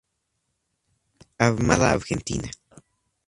Armada Argentina.